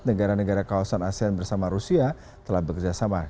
negara negara kawasan asean bersama rusia telah bekerjasama